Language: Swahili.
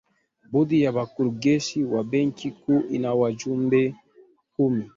bodi ya wakurugenzi wa benki kuu ina wajumbe kumi